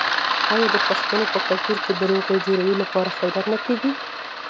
آیا د پښتنو په کلتور کې د روغې جوړې لپاره خیرات نه کیږي؟